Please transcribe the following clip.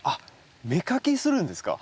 芽かきするんですか？